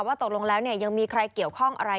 ว่าตกลงแล้วเนี่ยยังมีใครเกี่ยวข้องอะไร